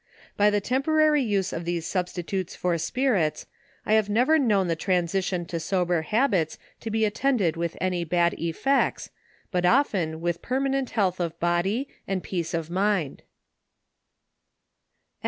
By the temporary use of these substi tutes for spirits, I have never known the transition to sober habits to be attended with any bad effects, but often with permanent health of body, and peace of mind.